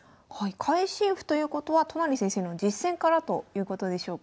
会心譜ということは都成先生の実戦からということでしょうか？